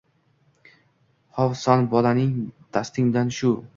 Ho‘v san bolaning dastingdan shu